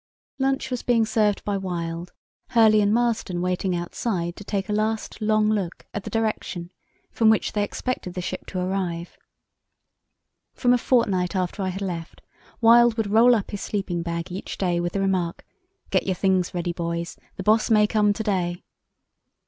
Lunch was being served by Wild, Hurley and Marston waiting outside to take a last long look at the direction from which they expected the ship to arrive. From a fortnight after I had left, Wild would roll up his sleeping bag each day with the remark, "Get your things ready, boys, the Boss may come to day."